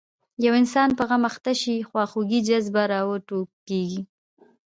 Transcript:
یو انسان په غم اخته شي خواخوږۍ جذبه راوټوکېږي.